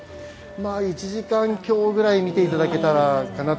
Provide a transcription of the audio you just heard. １時間強ぐらい見ていただけたらなと。